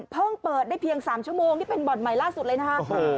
เพิ่งเปิดได้เพียง๓ชั่วโมงที่เป็นบ่อนให้ใหม่ล่าสุดเลยนะ